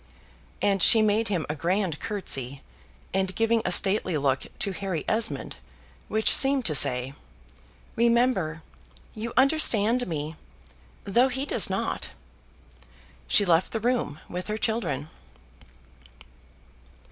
And she made him a grand curtsy, and, giving a stately look to Harry Esmond, which seemed to say, "Remember; you understand me, though he does not," she left the room with her children.